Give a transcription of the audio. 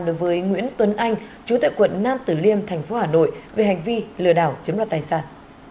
đối với nguyễn tuấn anh chủ tệ quận nam tử liêm tp hà nội về hành vi lừa đảo chiếm loạt tài sản